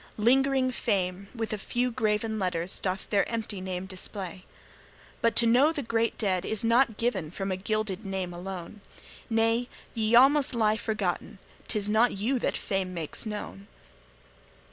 Lingering fame, with a few graven letters, Doth their empty name display. But to know the great dead is not given From a gilded name alone; Nay, ye all alike must lie forgotten, 'Tis not you that fame makes known.